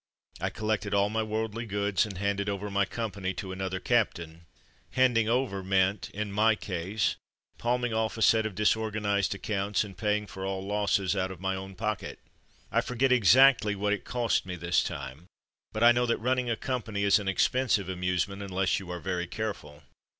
I collected all my worldly goods, and handed over my company to another captain. '' Handing over'' meant, in my case, palming off a set of disorganized accounts, and pay ing for all losses out of my own pocket. I forget exactly what it cost me this time, but I know that running a company is an expen sive amusement unless you are very careful.